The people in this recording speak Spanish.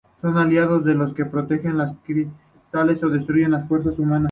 Son aliados de los que protegen a los cristales o destruyen las fuerzas humanas.